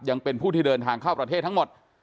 ยังเป็นผู้ที่เดินทางเข้าประเทศทั้งหมด